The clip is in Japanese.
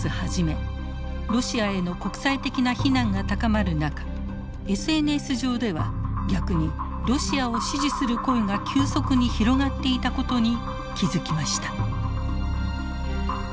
ロシアへの国際的な非難が高まる中ＳＮＳ上では逆にロシアを支持する声が急速に広がっていたことに気付きました。